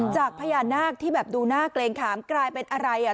จากพญานาคที่แบบดูหน้าเกรงขามกลายเป็นอะไรอ่ะ